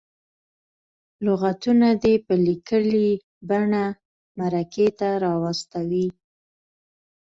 لغتونه دې په لیکلې بڼه مرکې ته راواستوي.